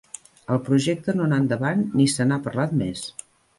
El projecte no anà endavant ni se n'ha parlat més.